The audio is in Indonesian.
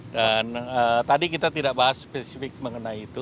dan tadi kita tidak bahas spesifik mengenai itu